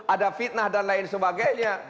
ada fitnah dan lain sebagainya